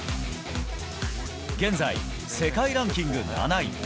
現在世界ランキング７位。